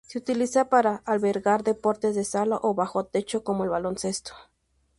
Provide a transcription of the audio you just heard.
Se utiliza para albergar deportes de sala o bajo techo como el baloncesto.